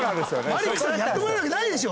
マリックさんにやってもらえるわけないでしょ！